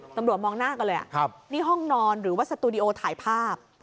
มองหน้ากันเลยนี่ห้องนอนหรือว่าสตูดิโอถ่ายภาพ